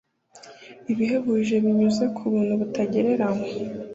ibihebuje binyuze ku buntu butagereranywa